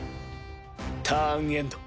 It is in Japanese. ターンエンド！